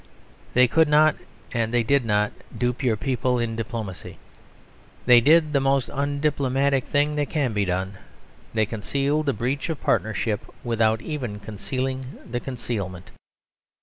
They could not, and they did not, dupe your people in diplomacy. They did the most undiplomatic thing that can be done; they concealed a breach of partnership without even concealing the concealment.